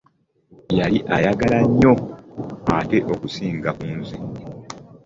Yali ayagala nnyo ate okusinga ku nze.